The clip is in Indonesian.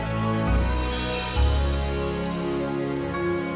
makasih stitch study